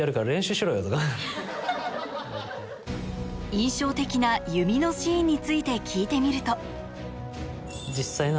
印象的な弓のシーンについて聞いてみると実際の。